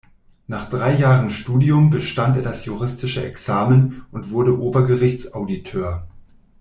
Nach drei Jahren Studium bestand er das juristische Examen und wurde Obergerichts-Auditeur.